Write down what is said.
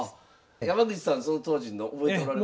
山口さんその当時の覚えておられますか？